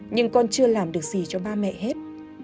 nhưng con chưa làm được gì cho ba mẹ hết